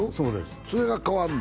それが変わるの？